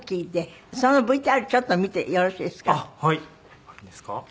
そのＶＴＲちょっと見てよろしいですか？